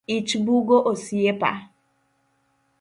Ich bugo osiepa